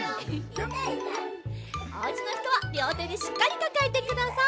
おうちのひとはりょうてでしっかりかかえてください。